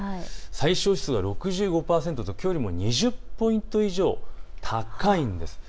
最小湿度は６５％、きょうよりも２０ポイント以上、高いんです。